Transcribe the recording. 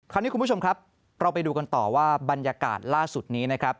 คุณผู้ชมครับเราไปดูกันต่อว่าบรรยากาศล่าสุดนี้นะครับ